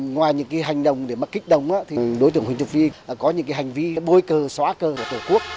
ngoài những cái hành động để mà kích động thì đối tượng huỳnh thục vy có những cái hành vi bôi cờ xóa cờ thổ quốc